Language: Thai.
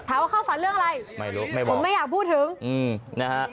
ถามว่าเขาฝันเรื่องอะไรไม่รู้ไม่บอกผมไม่อยากพูดถึง